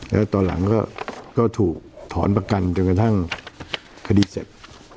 แล้วตอนหลังก็ถูกถอนประกันจนกระทั่งคดีเสร็จ